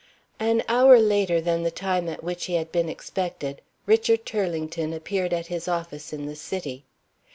An hour later than the time at which he had been expected, Richard Turlington appeared at his office in the city.